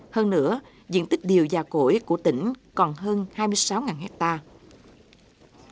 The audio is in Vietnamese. hơn nữa diện tích điều và cổi của tỉnh còn hơn hai mươi sáu hectare